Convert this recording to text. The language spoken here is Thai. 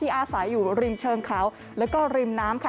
อาศัยอยู่ริมเชิงเขาแล้วก็ริมน้ำค่ะ